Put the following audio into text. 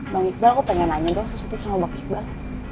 bang iqbal aku pengen nanya dong sesuatu sama bang iqbal